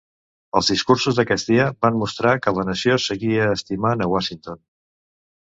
Els discursos d'aquest dia van mostrar que la nació seguia estimant a Washington.